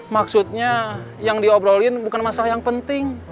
maksudnya yang diobrolin bukan masalah yang penting